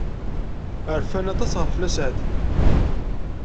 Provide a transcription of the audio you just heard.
Rfant aṭas ɣef Nna Seɛdiya.